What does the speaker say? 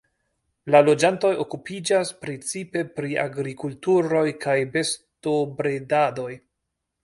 La loĝantoj okupiĝas precipe pri agrikulturoj kaj bestobredadoj.